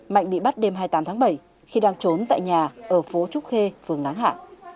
mạnh bị bắt đêm hai mươi tám tháng bảy khi đang trốn tại nhà ở phố trúc khê phường láng hạ